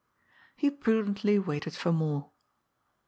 He prudently waited for more.